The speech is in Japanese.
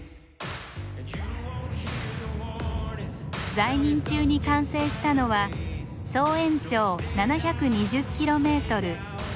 在任中に完成したのは総延長７２０キロメートル。